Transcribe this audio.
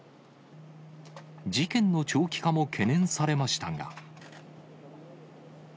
事件の長期化も懸念されましたが。